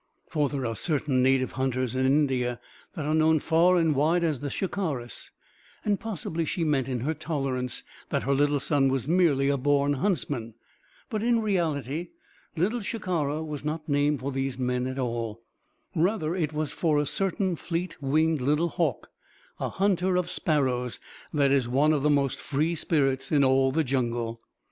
For there are certain native hunters in India that are known, far and wide, as the Shikaris; and possibly she meant in her tolerance that her little son was merely a born huntsman. But in reality Little Shikara was not named for these men at all. Rather it was for a certain fleet winged little hawk, a hunter of sparrows, that is one of the most free spirits in all the jungle.